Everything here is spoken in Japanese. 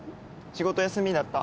仕事休みだった？